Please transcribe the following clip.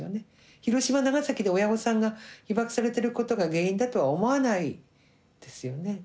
広島長崎で親御さんが被爆されてることが原因だとは思わないですよね。